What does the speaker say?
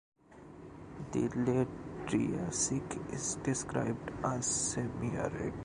The Late Triassic is described as semiarid.